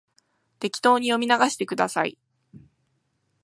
適当に読み流してください